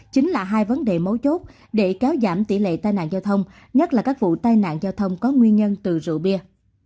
chính là hai vấn đề mấu chốt để kéo giảm tỷ lệ tai nạn giao thông nhất là các vụ tai nạn giao thông có nguyên nhân từ rượu bia